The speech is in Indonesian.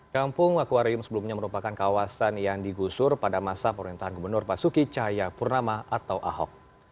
kampung akuarium sebelumnya merupakan kawasan yang digusur pada masa pemerintahan gubernur basuki cahayapurnama atau ahok